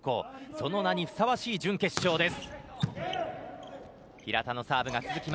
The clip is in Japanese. その名にふさわしい準決勝です。